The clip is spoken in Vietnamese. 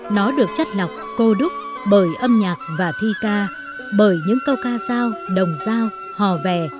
nó được chất lọc cô đúc bởi âm nhạc và thi ca bởi những câu ca giao đồng giao hò vè